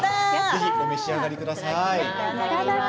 お召し上がりください。